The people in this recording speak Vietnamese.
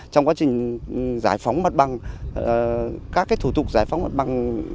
trong quá trình giải phóng mặt băng các cái thủ tục giải phóng mặt băng